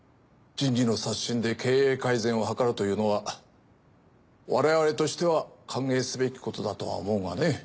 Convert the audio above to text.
人事の刷新で経営改善をはかるというのは我々としては歓迎すべきことだとは思うがね。